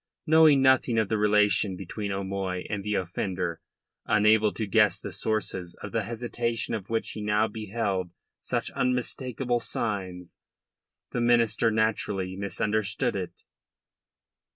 Knowing nothing of the relationship between O'Moy and the offender, unable to guess the sources of the hesitation of which he now beheld such unmistakable signs, the minister naturally misunderstood it.